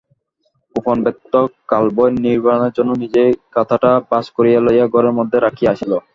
গোপাল ব্যর্থ কালব্যয় নিবারণের জন্য নিজেই কাঁথাটা ভাঁজ করিয়া লইয়া ঘরের মধ্যে রাখিয়া আসিল।